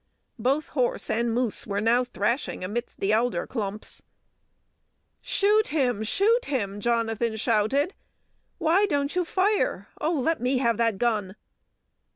Both horse and moose were now thrashing amidst the alder clumps. "Shoot him, shoot him!" Jonathan shouted. "Why don't you fire? Oh, let me have that gun!"